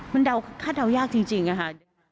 มันคาดเถายากจริงอะคะ